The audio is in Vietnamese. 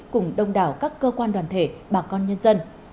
cùng đông đảo các cơ quan đoàn thể bà con nhân dân